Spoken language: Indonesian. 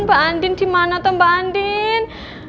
mbak andin dimana tuh mbak andin